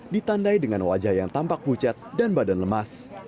ditandai dengan wajah yang tampak pucat dan badan lemas